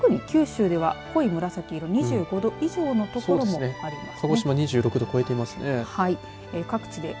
特に九州では濃い紫色２５度以上の所もあります。